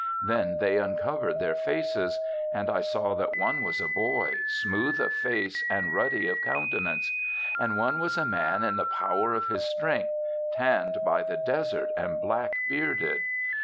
" Then they uncovered their faces. And I saw that one was a boy, smooth of face and ruddy of counte nance. And one was a man in the power of his strength, tanned by the desert and" black bearded.